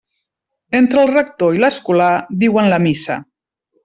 Entre el rector i l'escolà diuen la missa.